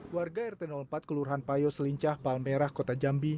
warga rt empat kelurahan payo selincah palmerah kota jambi